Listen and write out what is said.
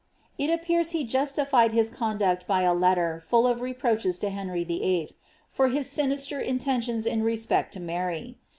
It appears he justified his conduct by a letter foil of lepraBches lo Henry Vllf., for his sinister intentions iu respect to Mary.